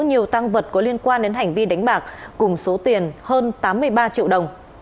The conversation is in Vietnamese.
hơn tám mươi ba triệu đồng